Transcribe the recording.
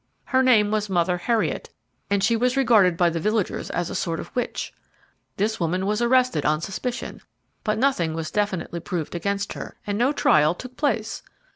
Her name was Mother Heriot, and she was regarded by the villagers as a sort of witch. This woman was arrested on suspicion; but nothing was definitely proved against her, and no trial took place.